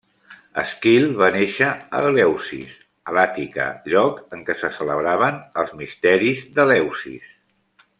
Èsquil va néixer a Eleusis, a l'Àtica, lloc en què se celebraven els misteris d'Eleusis.